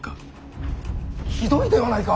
ひどいではないか。